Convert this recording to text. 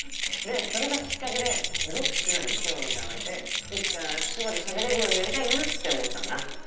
それがきっかけですごく手話に興味が湧いていつか手話でしゃべれるようになりたいなって思ったんだ。